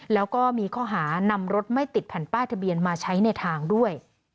แล้วก็มีข้อหานำรถไม่ติดแผ่นป้ายทะเบียนมาใช้ในทางด้วย